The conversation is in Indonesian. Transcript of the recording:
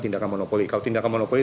tindakan monopoli kalau tindakan monopoli